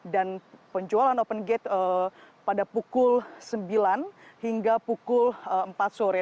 dan penjualan open gate pada pukul sembilan hingga pukul empat sore